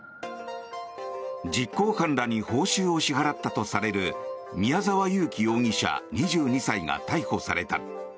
実行犯らに報酬を支払ったとされる宮沢優樹容疑者、２２歳が逮捕された。